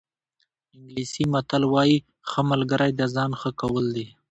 انګلیسي متل وایي ښه ملګری د ځان ښه کول دي.